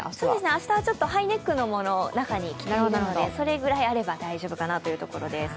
明日はハイネックのものを中に着ているので、それぐらいあれば大丈夫かなというところです。